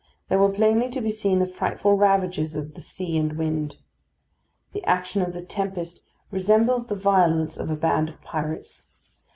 There were plainly to be seen the frightful ravages of the sea and wind. The action of the tempest resembles the violence of a band of pirates.